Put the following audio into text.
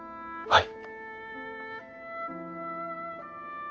はい！